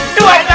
eh ular lah